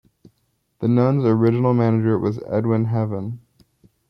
The Nuns original manager was Edwin Heaven.